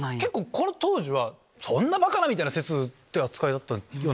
この当時はそんなバカな！みたいな説って扱いだった気が。